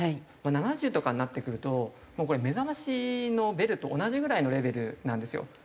まあ７０とかになってくるともうこれ目覚ましのベルと同じぐらいのレベルなんですよ。